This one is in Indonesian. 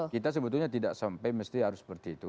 kita sebetulnya tidak sampai mesti harus seperti itu